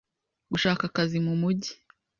gushaka akazi mu mugi